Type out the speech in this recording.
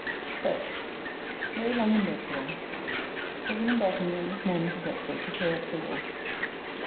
12th. Lay long in bed to day. Sir Wm. Batten went this morning to Deptford to pay off the Wolf.